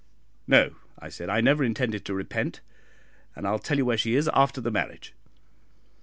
"No," I said, "I never intend to repent; and I'll tell you where she is after the marriage."